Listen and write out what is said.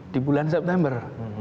di bulan september